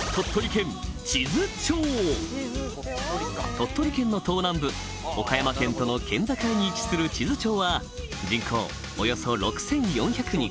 鳥取県の東南部岡山県との県境に位置する智頭町は人口およそ６４００人